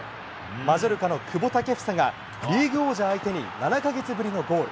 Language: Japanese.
マジョルカの久保建英がリーグ王者相手に７か月ぶりのゴール。